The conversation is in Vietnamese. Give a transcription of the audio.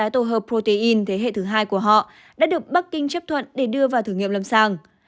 tổ hợp protein thế hệ thứ hai của họ đã được bắc kinh chấp thuận để đưa vào thử nghiệm lâm sàng